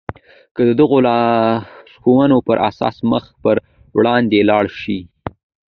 که د دغو لارښوونو پر اساس مخ پر وړاندې ولاړ شئ.